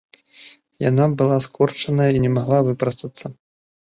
Яна была скурчаная і не магла выпрастацца.